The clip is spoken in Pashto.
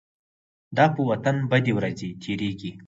د په وطن بدې ورځې تيريږي.